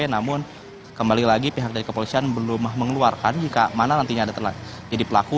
namun kembali lagi pihak dari kepolisian belum mengeluarkan jika mana nantinya ada jadi pelaku